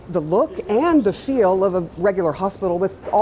ini memiliki kelihatan dan perasaan hospital biasa